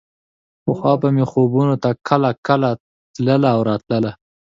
پخوا به مې خوبونو ته کله کله تله او راتله.